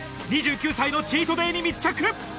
２９歳のチートデイに密着。